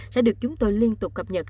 sẽ được chúng tôi liên tục cập nhật